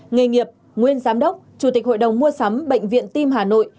nghề nghiệp nguyên giám đốc chủ tịch hội đồng mua sắm bệnh viện tim hà nội